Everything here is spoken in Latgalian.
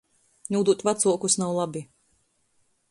Nūdūt vacuokus nav labi.